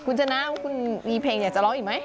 คุณชนะว่าคุณมีเพลงอยากจะร้องอีกไหม